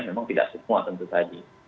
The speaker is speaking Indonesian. memang tidak semua tentu saja